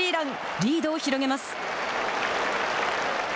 リードを広げます。